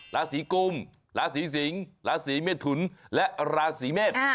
ราศีกุมราศีสิงศ์ราศีเมทุนและราศีเมษ